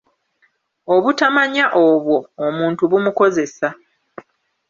Obutamanya obwo omuntu bumukozesa.